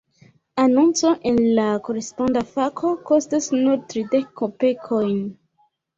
Anonco en la "Koresponda Fako" kostas nur tridek kopekojn.